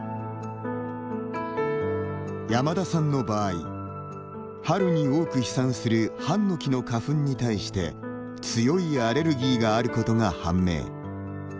山田さんの場合春に多く飛散するハンノキの花粉に対して、強いアレルギーがあることが判明。